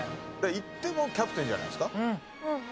いってもキャプテンじゃないですか？